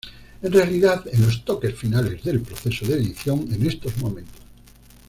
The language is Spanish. En realidad en los toques finales del proceso de edición en estos momentos.